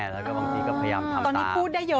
พยายามทำตามนี้พูดได้เยอะอย่างคะพี่